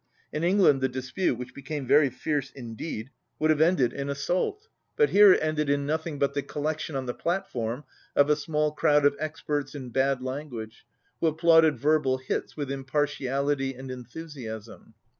In England the dispute, which became very fierce indeed, would have ended in 23 assault, but here it ended in nothing but the col lection on the platform of a small crowd of ex perts in bad language who applauded verbal hits with impartiality and enthusiasm.